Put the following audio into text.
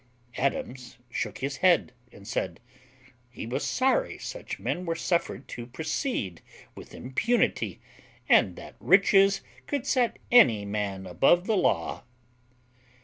Adams shook his head, and said, "He was sorry such men were suffered to proceed with impunity, and that riches could set any man above the law."